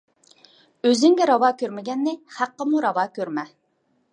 ئۆزۈڭگە راۋا كۆرمىگەننى خەققىمۇ راۋا كۆرمە.